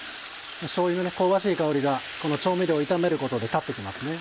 しょうゆの香ばしい香りがこの調味料を炒めることで立って来ますね。